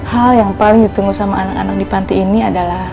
hal yang paling ditunggu sama anak anak di panti ini adalah